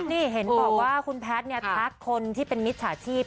นี่เห็นบอกว่าคุณแพทย์เนี่ยทักคนที่เป็นมิจฉาชีพ